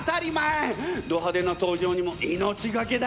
ドハデな登場にも命懸けだ！